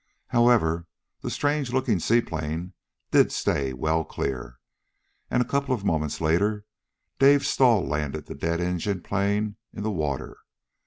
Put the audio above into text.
However, the strange looking seaplane did stay well clear, and a couple of moments later Dave stall landed the dead engined plane in the water.